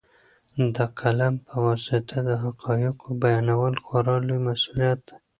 د قلم په واسطه د حقایقو بیانول خورا لوی مسوولیت دی.